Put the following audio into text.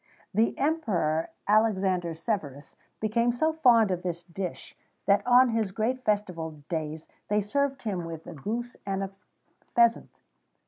[XVII 66] The Emperor Alexander Severus became so fond of this dish, that on his great festival days they served him with a goose and a pheasant.